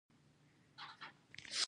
آیا خلک د اسکی لپاره غرونو ته نه ځي؟